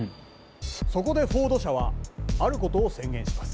そこでフォード社はあることを宣言します。